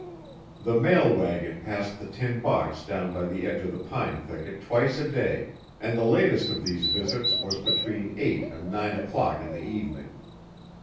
The mail wagon passed the tin box down by the edge of the pine thicket twice a day and the latest of these visits was between eight and nine o'clock in the evening.